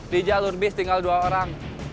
di jalur bis tinggal dua orang